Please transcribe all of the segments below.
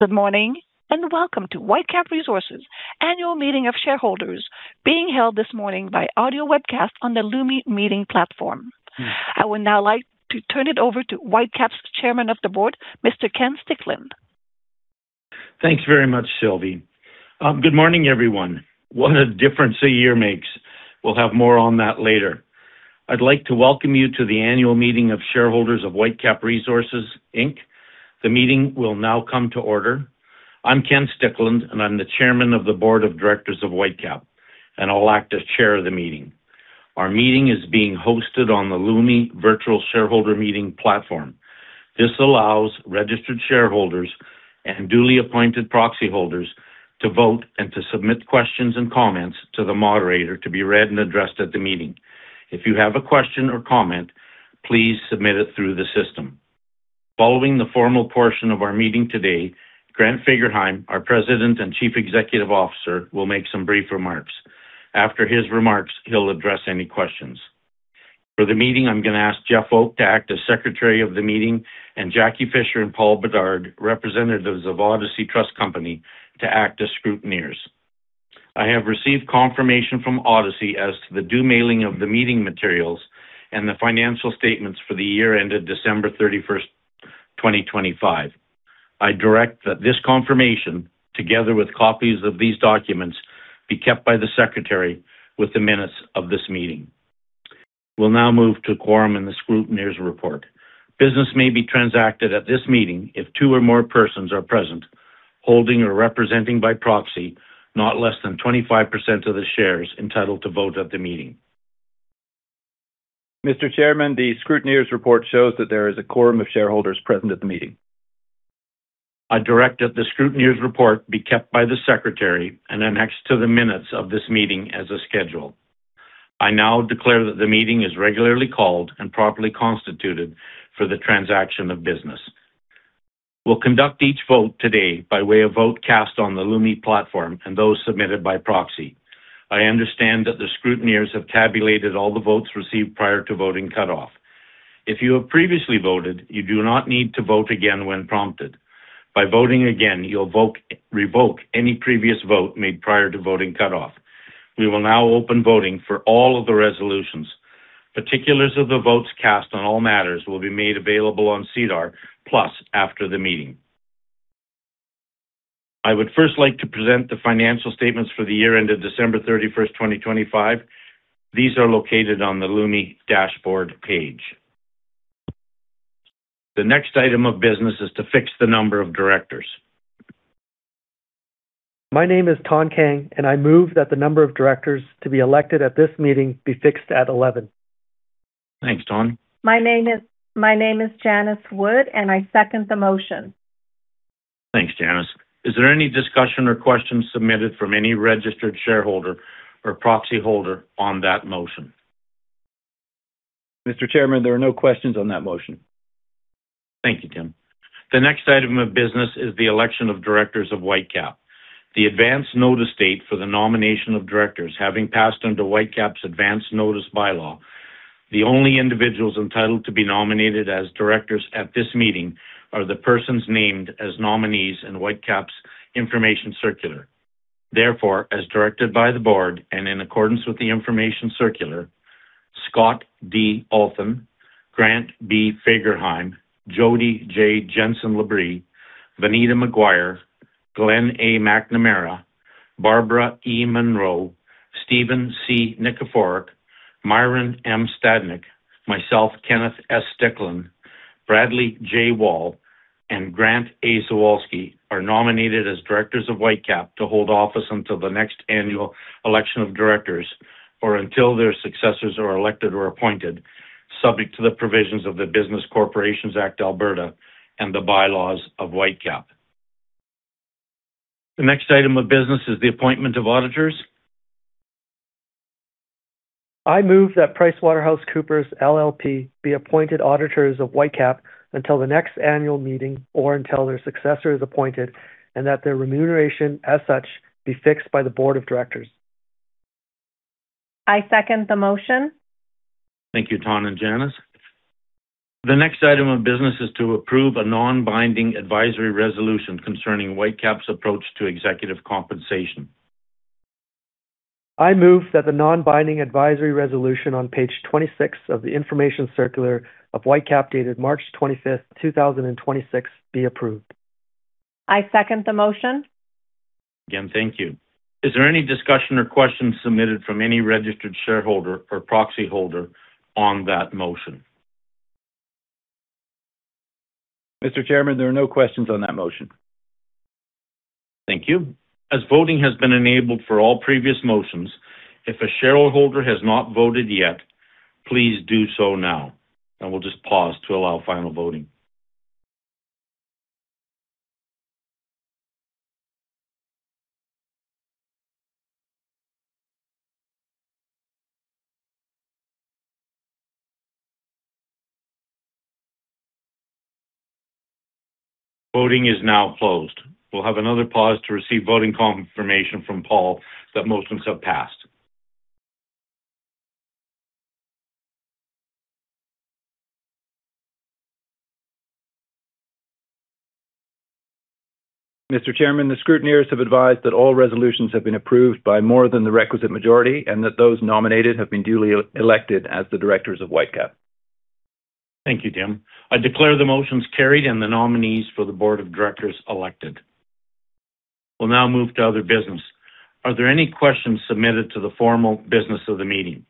Good morning, and welcome to Whitecap Resources' annual meeting of shareholders being held this morning by audio webcast on the Lumi Meeting platform. I would now like to turn it over to Whitecap's Chairman of the Board, Mr. Ken Stickland. Thanks very much, Sylvie. Good morning, everyone. What a difference a year makes. We'll have more on that later. I'd like to welcome you to the annual meeting of shareholders of Whitecap Resources Inc. The meeting will now come to order. I'm Ken Stickland, and I'm the Chairman of the Board of Directors of Whitecap, and I'll act as chair of the meeting. Our meeting is being hosted on the Lumi Virtual Shareholder Meeting platform. This allows registered shareholders and duly appointed proxy holders to vote and to submit questions and comments to the moderator to be read and addressed at the meeting. If you have a question or comment, please submit it through the system. Following the formal portion of our meeting today, Grant Fagerheim, our President and Chief Executive Officer, will make some brief remarks. After his remarks, he'll address any questions. For the meeting, I'm gonna ask Jeff Oke to act as secretary of the meeting and Jacquie Fisher and Paul Bedard, representatives of Odyssey Trust Company, to act as scrutineers. I have received confirmation from Odyssey as to the due mailing of the meeting materials and the financial statements for the year ended December 31st, 2025. I direct that this confirmation, together with copies of these documents, be kept by the secretary with the minutes of this meeting. We'll now move to quorum and the scrutineers' report. Business may be transacted at this meeting if two or more persons are present, holding or representing by proxy, not less than 25% of the shares entitled to vote at the meeting. Mr. Chairman, the scrutineers' report shows that there is a quorum of shareholders present at the meeting. I direct that the scrutineers' report be kept by the secretary and annexed to the minutes of this meeting as a schedule. I now declare that the meeting is regularly called and properly constituted for the transaction of business. We'll conduct each vote today by way of vote cast on the Lumi platform and those submitted by proxy. I understand that the scrutineers have tabulated all the votes received prior to voting cutoff. If you have previously voted, you do not need to vote again when prompted. By voting again, you'll revoke any previous vote made prior to voting cutoff. We will now open voting for all of the resolutions. Particulars of the votes cast on all matters will be made available on SEDAR+ after the meeting. I would first like to present the financial statements for the year ended December 31st, 2025. These are located on the Lumi dashboard page. The next item of business is to fix the number of directors. My name is Thanh Kang. I move that the number of directors to be elected at this meeting be fixed at 11. Thanks, Thanh. My name is Janice Wood, and I second the motion. Thanks, Janice. Is there any discussion or questions submitted from any registered shareholder or proxy holder on that motion? Mr. Chairman, there are no questions on that motion. Thank you, Tim. The next item of business is the election of directors of Whitecap. The advance notice date for the nomination of directors having passed under Whitecap's advance notice bylaw, the only individuals entitled to be nominated as directors at this meeting are the persons named as nominees in Whitecap's information circular. Therefore, as directed by the board and in accordance with the information circular, Scott D. Althen, Grant B. Fagerheim, Jodi J. Jenson Labrie, Vineeta Maguire, Glenn A. McNamara, Barbara E. Munroe, Stephen C. Nikiforuk, Myron M. Stadnyk, myself, Kenneth S. Stickland, Bradley J. Wall, and Grant A. Zawalsky, are nominated as directors of Whitecap to hold office until the next annual election of directors or until their successors are elected or appointed, subject to the provisions of the Business Corporations Act (Alberta), and the bylaws of Whitecap. The next item of business is the appointment of auditors. I move that PricewaterhouseCoopers LLP be appointed auditors of Whitecap until the next annual meeting or until their successor is appointed, and that their remuneration as such be fixed by the board of directors. I second the motion. Thank you, Thanh and Janice. The next item of business is to approve a non-binding advisory resolution concerning Whitecap's approach to executive compensation. I move that the non-binding advisory resolution on page 26 of the information circular of Whitecap dated March twenty-fifth, 2026, be approved. I second the motion. Again, thank you. Is there any discussion or questions submitted from any registered shareholder or proxy holder on that motion? Mr. Chairman, there are no questions on that motion. Thank you. As voting has been enabled for all previous motions, if a shareholder has not voted yet, please do so now. We'll just pause to allow final voting. Voting is now closed. We'll have another pause to receive voting confirmation from Paul that motions have passed. Mr. Chairman, the scrutineers have advised that all resolutions have been approved by more than the requisite majority and that those nominated have been duly elected as the directors of Whitecap. Thank you, Jim. I declare the motions carried and the nominees for the board of directors elected. We will now move to other business. Are there any questions submitted to the formal business of the meeting?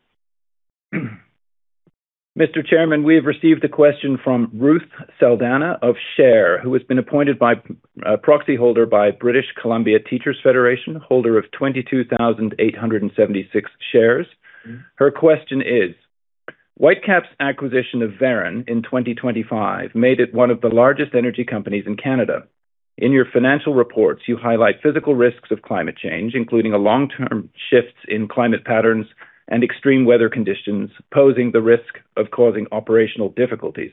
Mr. Chairman, we have received a question from Ruth Saldanha of SHARE, who has been appointed by proxy holder by British Columbia Teachers' Federation, holder of 22,876 shares. Her question is: Whitecap's acquisition of Veren in 2025 made it one of the largest energy companies in Canada. In your financial reports, you highlight physical risks of climate change, including long-term shifts in climate patterns and extreme weather conditions, posing the risk of causing operational difficulties.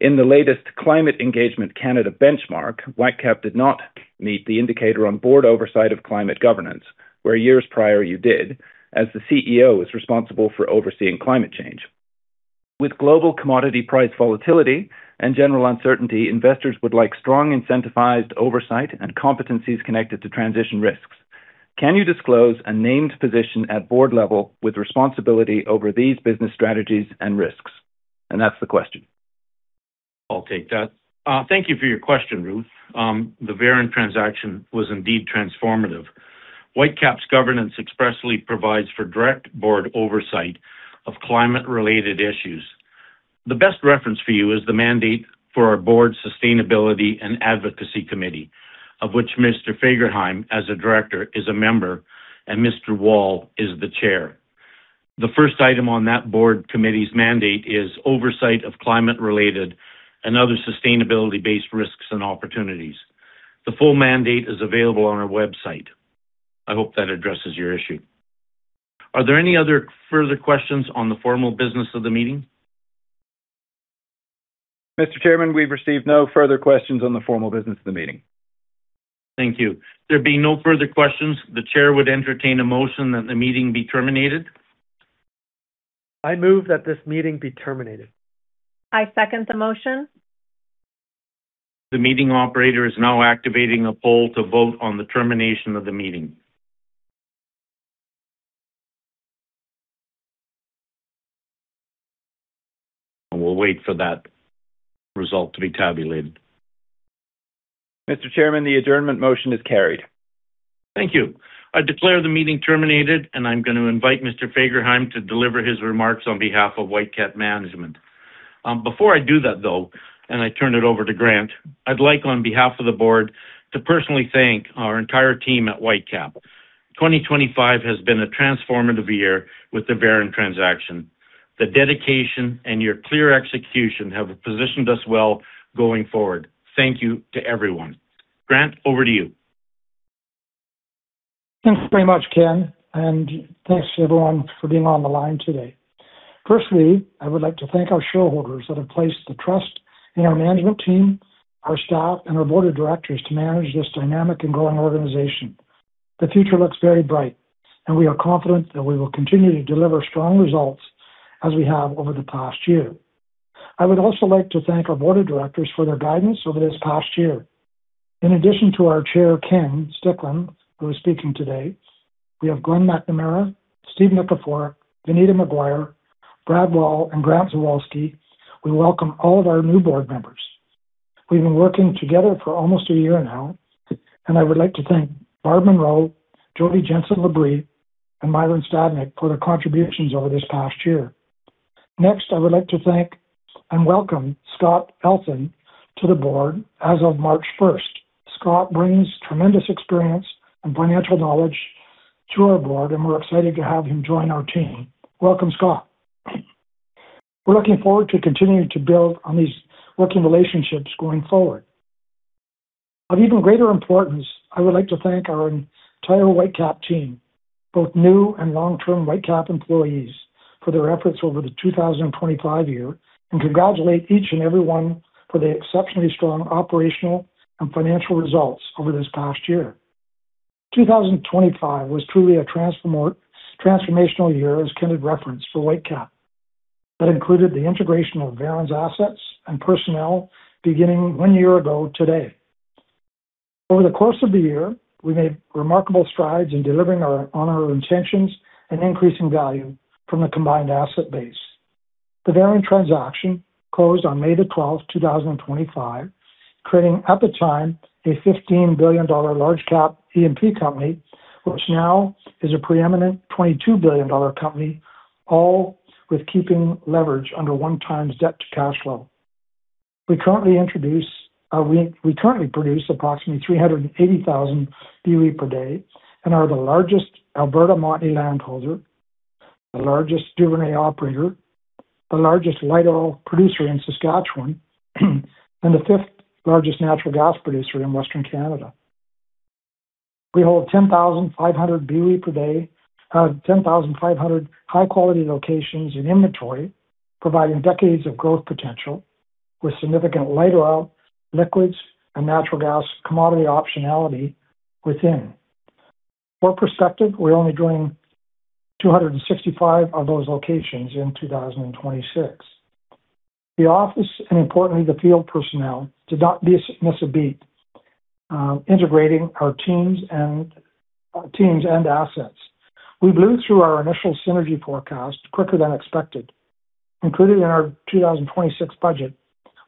In the latest Climate Engagement Canada Benchmark, Whitecap did not meet the indicator on board oversight of climate governance, where years prior you did, as the CEO is responsible for overseeing climate change. With global commodity price volatility and general uncertainty, investors would like strong incentivized oversight and competencies connected to transition risks. Can you disclose a named position at board level with responsibility over these business strategies and risks? That's the question. I'll take that. Thank you for your question, Ruth. The Veren transaction was indeed transformative. Whitecap's governance expressly provides for direct board oversight of climate-related issues. The best reference for you is the mandate for our Board Sustainability and Advocacy Committee, of which Mr. Fagerheim, as a director, is a member, and Mr. Wall is the chair. The first item on that Board Committee's mandate is oversight of climate-related and other sustainability-based risks and opportunities. The full mandate is available on our website. I hope that addresses your issue. Are there any other further questions on the formal business of the meeting? Mr. Chairman, we've received no further questions on the formal business of the meeting. Thank you. There being no further questions, the chair would entertain a motion that the meeting be terminated. I move that this meeting be terminated. I second the motion. The meeting operator is now activating a poll to vote on the termination of the meeting. We'll wait for that result to be tabulated. Mr. Chairman, the adjournment motion is carried. Thank you. I declare the meeting terminated, and I'm gonna invite Mr. Fagerheim to deliver his remarks on behalf of Whitecap Management. Before I do that, though, and I turn it over to Grant, I'd like, on behalf of the board, to personally thank our entire team at Whitecap. 2025 has been a transformative year with the Veren transaction. The dedication and your clear execution have positioned us well going forward. Thank you to everyone. Grant, over to you. Thanks very much, Ken, and thanks to everyone for being on the line today. I would like to thank our shareholders that have placed the trust in our management team, our staff, and our board of directors to manage this dynamic and growing organization. The future looks very bright, we are confident that we will continue to deliver strong results as we have over the past year. I would also like to thank our board of directors for their guidance over this past year. In addition to our chair, Ken Stickland, who is speaking today, we have Glenn McNamara, Steve Nikiforuk, Vineeta Maguire, Brad Wall, and Grant Zawalsky. We welcome all of our new board members. We've been working together for almost a year now, I would like to thank Barbara Munroe, Jodi Jenson Labrie, and Myron Stadnyk for their contributions over this past year. I would like to thank and welcome Scott Elson to the board as of March 1st. Scott brings tremendous experience and financial knowledge to our board, and we're excited to have him join our team. Welcome, Scott. We're looking forward to continuing to build on these working relationships going forward. Of even greater importance, I would like to thank our entire Whitecap team, both new and long-term Whitecap employees, for their efforts over the 2025 year, and congratulate each and every one for the exceptionally strong operational and financial results over this past year. 2025 was truly a transformational year, as Ken had referenced, for Whitecap. That included the integration of Veren's assets and personnel beginning one year ago today. Over the course of the year, we made remarkable strides in delivering on our intentions and increasing value from the combined asset base. The Veren transaction closed on May 12, 2025, creating, at the time, a CAD 15 billion large cap E&P company, which now is a preeminent CAD 22 billion company, all with keeping leverage under 1x debt to cash flow. We currently produce approximately 380,000 BOE per day and are the largest Alberta Montney landholder, the largest Duvernay operator, the largest light oil producer in Saskatchewan, and the 5th-largest natural gas producer in Western Canada. We hold 10,500 high-quality locations in inventory, providing decades of growth potential with significant light oil, liquids, and natural gas commodity optionality within. For perspective, we're only doing 265 of those locations in 2026. The office, and importantly, the field personnel did not miss a beat, integrating our teams and assets. We blew through our initial synergy forecast quicker than expected. Included in our 2026 budget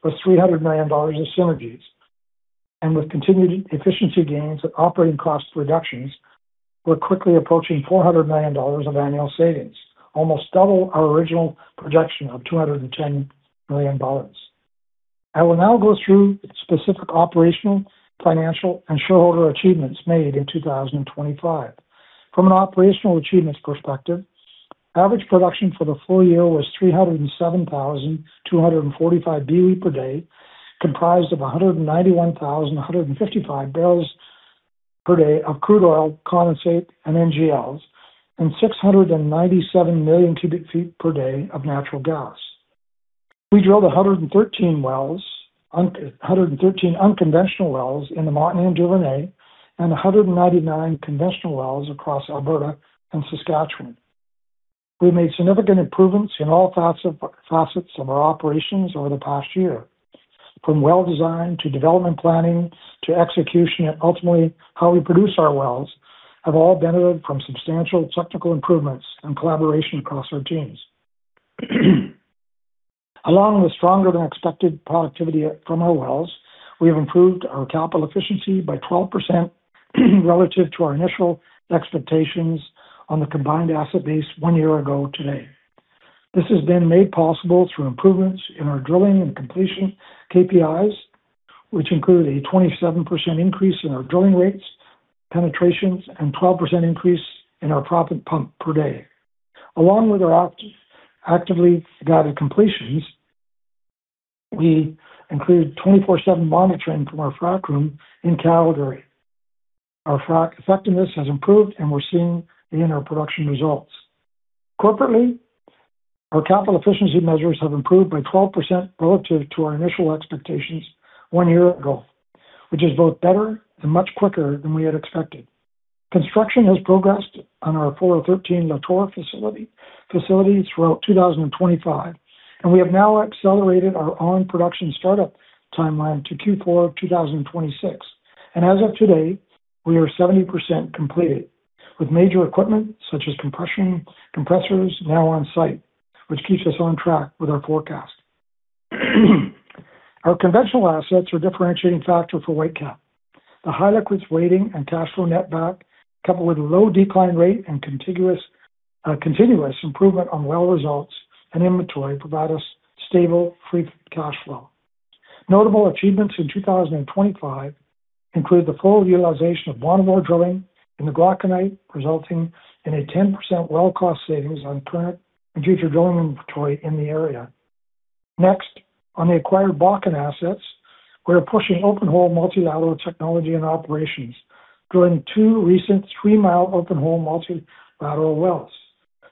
was 300 million dollars of synergies. With continued efficiency gains and operating cost reductions, we're quickly approaching 400 million dollars of annual savings, almost double our original projection of 210 million dollars. I will now go through the specific operational, financial, and shareholder achievements made in 2025. From an operational achievements perspective, average production for the full year was 307,245 BOE per day, comprised of 191,155 barrels per day of crude oil, condensate, and NGLs, and 697 million cubic feet per day of natural gas. We drilled 113 unconventional wells in the Montney and Duvernay, and 199 conventional wells across Alberta and Saskatchewan. We made significant improvements in all facets of our operations over the past year. From well design to development planning to execution, ultimately, how we produce our wells have all benefited from substantial technical improvements and collaboration across our teams. Along with stronger-than-expected productivity from our wells, we have improved our capital efficiency by 12% relative to our initial expectations on the combined asset base one year ago today. This has been made possible through improvements in our drilling and completion KPIs, which include a 27% increase in our drilling rates, penetrations, and 12% increase in our proppant pump per day. Along with our actively guided completions, we included 24/7 monitoring from our frac room in Calgary. Our frac effectiveness has improved, and we're seeing it in our production results. Corporately, our capital efficiency measures have improved by 12% relative to our initial expectations one year ago, which is both better and much quicker than we had expected. Construction has progressed on our 413 Lator Facility throughout 2025, we have now accelerated our oil production startup timeline to Q4 of 2026. As of today, we are 70% completed with major equipment such as compressors now on site, which keeps us on track with our forecast. Our conventional assets are differentiating factor for Whitecap. The high liquids weighting and cash flow netback, coupled with low decline rate and contiguous, continuous improvement on well results and inventory provide us stable free cash flow. Notable achievements in 2025 include the full utilization of one well drilling in the Glauconite, resulting in a 10% well cost savings on current and future drilling inventory in the area. On the acquired Bakken assets, we are pushing open-hole multilateral technology and operations, drilling 2 mi recent 3 mi open-hole multilateral wells.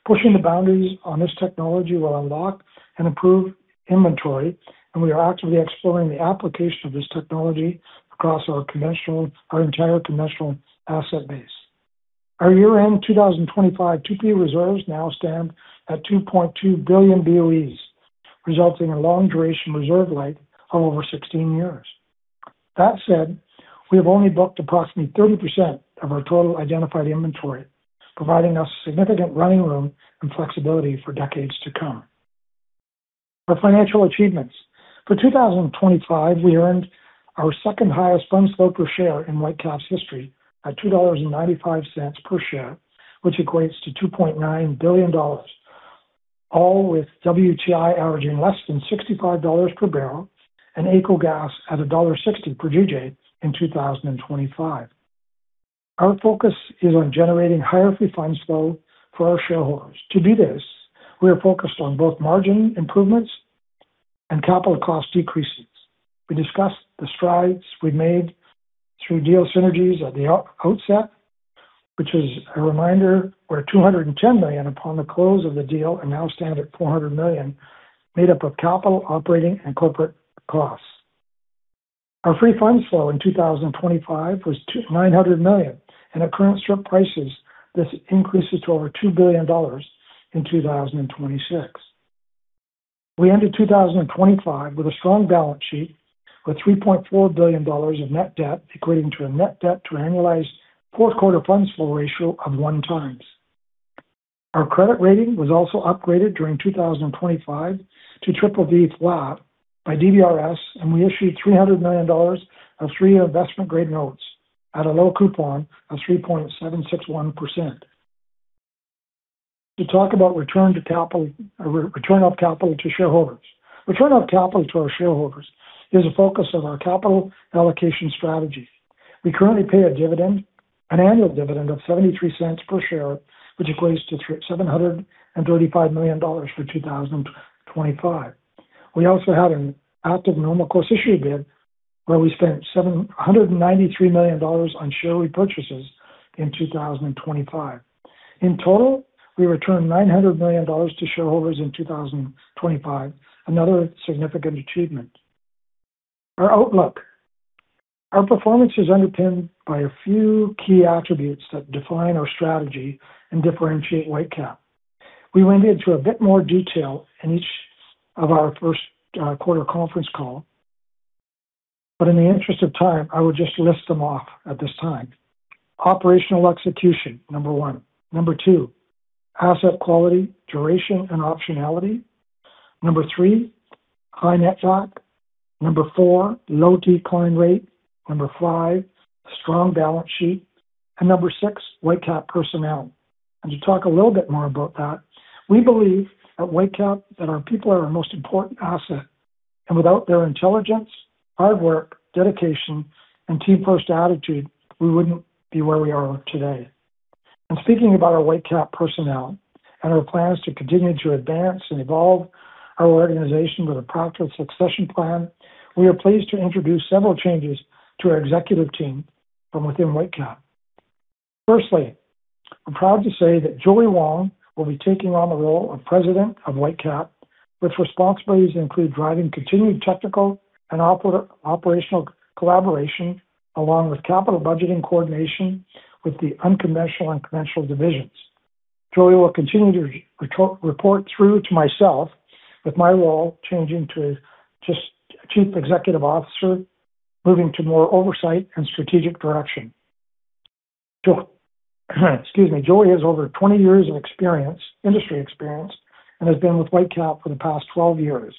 Pushing the boundaries on this technology will unlock and improve inventory, we are actively exploring the application of this technology across our entire conventional asset base. Our year-end 2025 2P reserves now stand at 2.2 billion BOEs, resulting in a long-duration reserve life of over 16 years. That said, we have only booked approximately 30% of our total identified inventory, providing us significant running room and flexibility for decades to come. Our financial achievements. For 2025, we earned our second-highest funds flow per share in Whitecap's history at 2.95 dollars per share, which equates to 2.9 billion dollars, all with WTI averaging less than 65 dollars per barrel and AECO Gas at dollar 1.60 per GJ in 2025. Our focus is on generating higher free funds flow for our shareholders. To do this, we are focused on both margin improvements and capital cost decreases. We discussed the strides we made through deal synergies at the outset, which is a reminder we're at 210 million upon the close of the deal and now stand at 400 million, made up of capital, operating, and corporate costs. Our free funds flow in 2025 was 900 million. At current strip prices, this increases to over 2 billion dollars in 2026. We ended 2025 with a strong balance sheet with 3.4 billion dollars of net debt, equating to a net debt to annualized fourth quarter funds flow ratio of 1x. Our credit rating was also upgraded during 2025 to BBB flat by DBRS. We issued 300 million dollars of three investment-grade notes at a low coupon of 3.761%. To talk about return of capital to shareholders. Return of capital to our shareholders is a focus of our capital allocation strategy. We currently pay a dividend, an annual dividend of 0.73 per share, which equates to 735 million dollars for 2025. We also had an our normal course issuer bid, where we spent 193 million dollars on share repurchases in 2025. In total, we returned 900 million dollars to shareholders in 2025, another significant achievement. Our outlook. Our performance is underpinned by a few key attributes that define our strategy and differentiate Whitecap. We went into a bit more detail in each of our first quarter conference call, but in the interest of time, I will just list them off at this time. Operational execution, number one. Number two, asset quality, duration, and optionality. Number three, high netback. Number four, low decline rate. Number five, strong balance sheet. Number six, Whitecap personnel. To talk a little bit more about that, we believe at Whitecap that our people are our most important asset. Without their intelligence, hard work, dedication, and team-first attitude, we wouldn't be where we are today. Speaking about our Whitecap personnel and our plans to continue to advance and evolve our organization with a proactive succession plan, we are pleased to introduce several changes to our executive team from within Whitecap. Firstly, I'm proud to say that Joey Wong will be taking on the role of President of Whitecap, with responsibilities including driving continued technical and operational collaboration, along with capital budgeting coordination with the unconventional and conventional divisions. Joey will continue to report through to myself with my role changing to just Chief Executive Officer, moving to more oversight and strategic direction. Excuse me. Joey Wong has over 20 years of experience, industry experience and has been with Whitecap Resources for the past 12 years,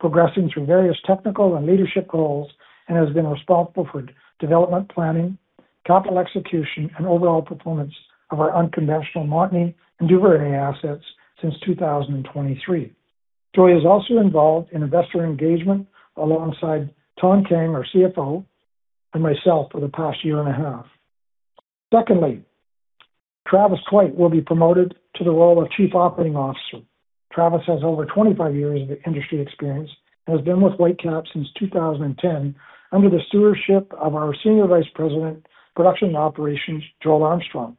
progressing through various technical and leadership roles and has been responsible for development planning, capital execution, and overall performance of our unconventional Montney and Duvernay assets since 2023. Joey Wong is also involved in investor engagement alongside Thanh Kang, our CFO, and myself for the past year and a half. Travis White will be promoted to the role of Chief Operating Officer. Travis White has over 25 years of industry experience, has been with Whitecap Resources since 2010 under the stewardship of our Senior Vice President, Production and Operations, Joel Armstrong.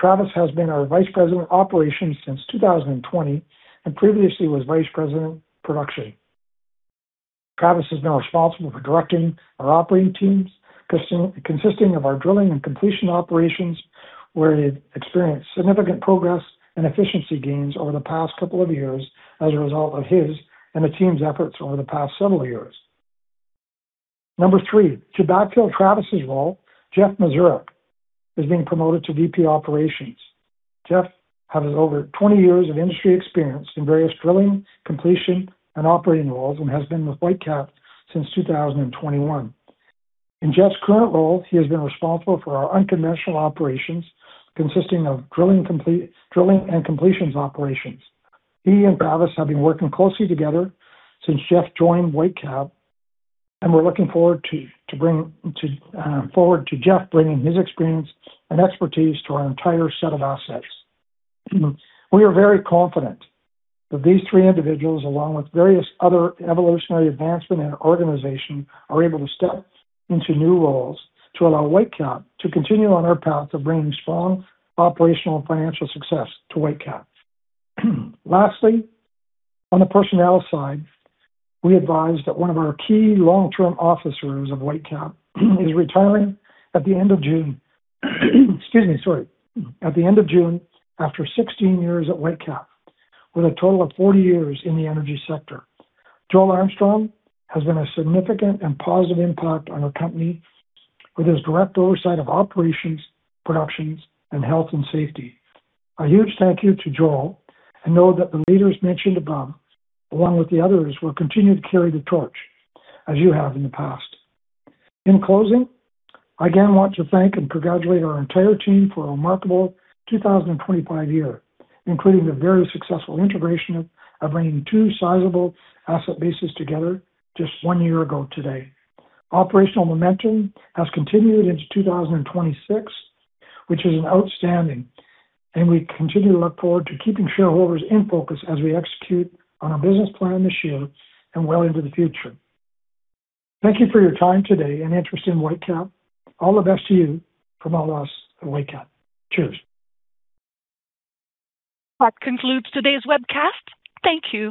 Travis White has been our Vice President Operations since 2020, and previously was Vice President Production. Travis is now responsible for directing our operating teams, consisting of our drilling and completion operations, where he's experienced significant progress and efficiency gains over the past couple of years as a result of his and the team's efforts over the past several years. Number three, to backfill Travis's role, Jeff Mazurak is being promoted to VP Operations. Jeff has over 20 years of industry experience in various drilling, completion, and operating roles and has been with Whitecap since 2021. In Jeff's current role, he has been responsible for our unconventional operations consisting of drilling and completions operations. He and Travis have been working closely together since Jeff joined Whitecap, and we're looking forward to Jeff bringing his experience and expertise to our entire set of assets. We are very confident that these three individuals, along with various other evolutionary advancements in our organization, are able to step into new roles to allow Whitecap to continue on our path of bringing strong operational and financial success to Whitecap. Lastly, on the personnel side, we advise that one of our key long-term officers of Whitecap is retiring at the end of June. Excuse me, sorry. At the end of June, after 16 years at Whitecap, with a total of 40 years in the energy sector. Joel Armstrong has been a significant and positive impact on our company with his direct oversight of operations, productions, and health and safety. A huge thank you to Joel and know that the leaders mentioned above, along with the others, will continue to carry the torch as you have in the past. In closing, I again want to thank and congratulate our entire team for a remarkable 2025 year, including the very successful integration of bringing two sizable asset bases together just one year ago today. Operational momentum has continued into 2026, which is outstanding, and we continue to look forward to keeping shareholders in focus as we execute on our business plan this year and well into the future. Thank you for your time today and interest in Whitecap. All the best to you from all of us at Whitecap. Cheers. That concludes today's webcast. Thank you.